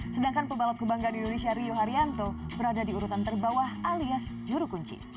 sedangkan pebalap kebanggaan indonesia rio haryanto berada di urutan terbawah alias juru kunci